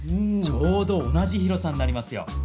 ちょうど同じ広さになりますよ。